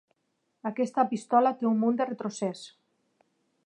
Aquesta pistola té un munt de retrocés.